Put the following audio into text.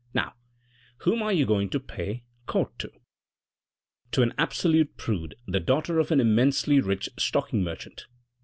... Now, whom are you going to pay court to ?" "To an absolute prude, the daughter of an immensely rich stocking merchant.